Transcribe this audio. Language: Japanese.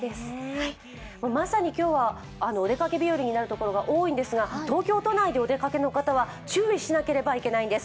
まさに今日はお出かけ日和になるところが多いと思うんですが、東京都内でお出かけの方は注意しなければいけないんです。